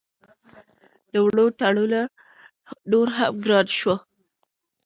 د وړو تروړه نوره هم ګرانه شوه